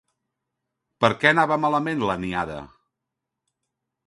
Per què anava malament la niada?